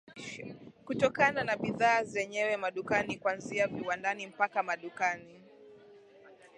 kutokana na bidhaa zenyewe madukani kwanzia viwandani mpaka madukani